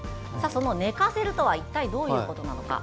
その寝かせるとは一体どういうことなのか。